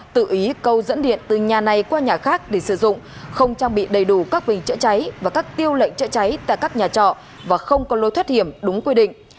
tự ý câu dẫn điện từ nhà này qua nhà khác để sử dụng không trang bị đầy đủ các bình chữa cháy và các tiêu lệnh chữa cháy tại các nhà trọ và không có lối thoát hiểm đúng quy định